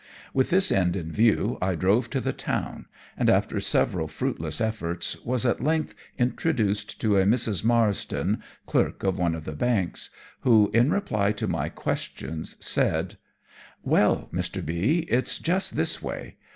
With this end in view, I drove to the town, and after several fruitless efforts was at length introduced to a Mr. Marsden, clerk of one of the banks, who, in reply to my questions, said: "Well, Mr. B , it's just this way.